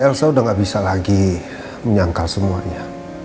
elsa sudah gak bisa lagi menyangkal semuanya